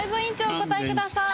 お答えください。